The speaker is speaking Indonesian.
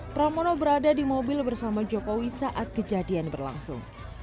pramono berada di mobil bersama jokowi saat kejadian berlangsung